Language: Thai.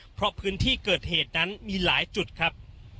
เพราะพื้นที่เกิดเหตุนั้นมีหลายจุดครับ